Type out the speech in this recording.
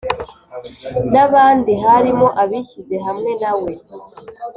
n abandi harimo abishyize hamwe na we